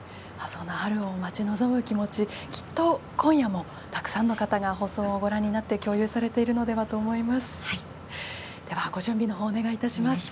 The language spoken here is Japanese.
そんな春を待ち望む気持ちきっと今夜もたくさんの方が放送をご覧になってご覧になって共有されているのではと思います。